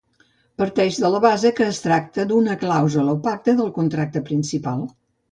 Parteix de la base que es tracta d'una clàusula o pacte del contracte principal.